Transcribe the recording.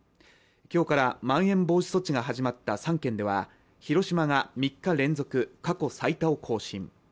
今日からまん延防止措置が始まった３県では広島が３日連続、過去最多を更新。